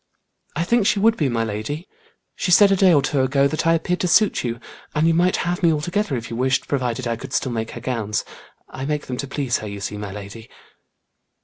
"I think she would be, my lady. She said a day or two ago, that I appeared to suit you, and you might have me altogether if you wished, provided I could still make her gowns. I make them to please her, you see, my lady."